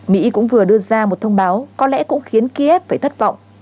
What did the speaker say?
mỹ cũng vừa đưa ra một thông báo có lẽ cũng khiến kiev phải thất vọng